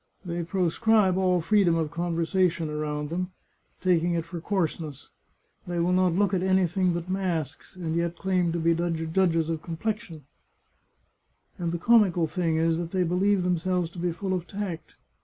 They pro scribe all freedom of conversation around them, taking it for coarseness ; they will not look at anything but masks, and yet claim to be judges of complexion; and the comical thing is that they believe themselves to be full of tact.